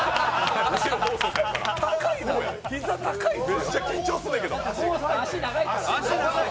めっちゃ緊張すんねんけど！